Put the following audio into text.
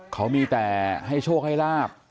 เขามีแต่ให้โชคให้ลาบ